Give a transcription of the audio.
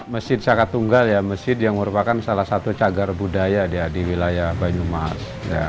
masjid saka tunggal ya masjid yang merupakan salah satu cagar budaya di wilayah banyumas